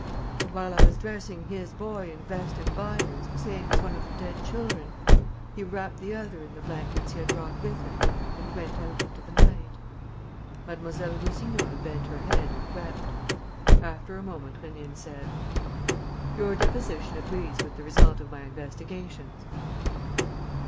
And, while I was dressing his boy in vest and binders the same as one of the dead children, he wrapped the other in the blankets he had brought with him and went out into the night." Mlle. Boussignol bent her head and wept. After a moment, Rénine said: "Your deposition agrees with the result of my investigations."